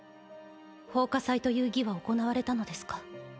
奉火祭という儀は行われたのですか？